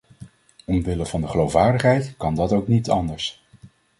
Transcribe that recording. Omwille van de geloofwaardigheid kan dat ook niet anders.